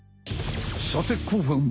さて後半は。